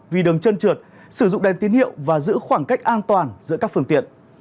vì đường chân trượt sử dụng đèn tiến hiệu và giữ khoảng cách an toàn giữa các phương tiện